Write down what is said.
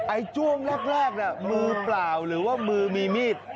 จ้วงแรกน่ะมือเปล่าหรือว่ามือมีมีด